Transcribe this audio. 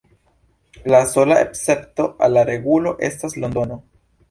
La sola escepto al la regulo estas Londono.